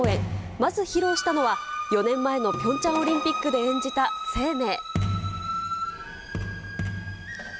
まず披露したのは、４年前のピョンチャンオリンピックで演じたＳＥＩＭＥＩ。